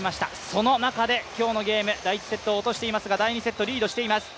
その中で今日のゲーム第１セットを落としていますが第２セット、リードしています。